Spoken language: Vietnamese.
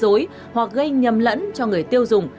lừa dối hoặc gây nhầm lẫn cho người tiêu dùng